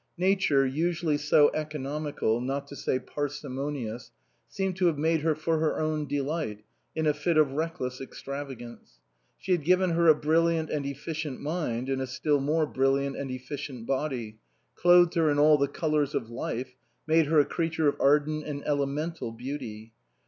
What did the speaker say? Nature, usually so eco nomical, not to say parsimonious, seemed to have made her for her own delight, in a fit of reckless extravagance. She had given her a brilliant and efficient mind in a still more brilliant and efficient body, clothed her in all the colours of life ; made her a creature of ardent and elemental beauty.